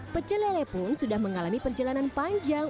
pecelele pun sudah mengalami perjalanan panjang